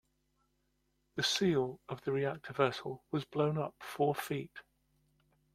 The seal of the reactor vessel was blown up four feet.